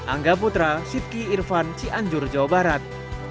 anggap putra sitki irfan ci anjur jawa barat